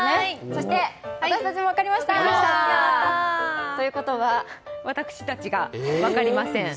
そして私たちも分かりました！ということは、私たちが分かりません。